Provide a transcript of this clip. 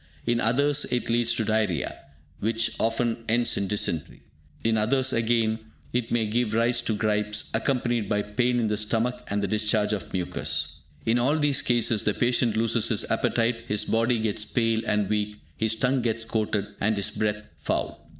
In others, it leads to diarrhea, which often ends in dysentery. In others again, it may give rise to gripes, accompanied by pain in the stomach and the discharge of mucus. In all these cases, the patient loses his appetite, his body gets pale and weak, his tongue gets coated, and his breath foul.